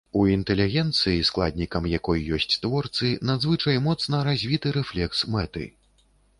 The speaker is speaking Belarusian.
У інтэлігенцыі, складнікам якой ёсць творцы, надзвычай моцна развіты рэфлекс мэты.